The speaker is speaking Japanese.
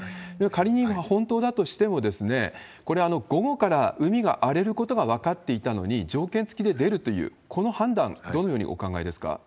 仮に今、本当だとしても、これ、午後から海が荒れることが分かっていたのに、条件付きで出るという、この判断、どのようにお考えですか？